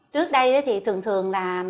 trước đây thì thường thường là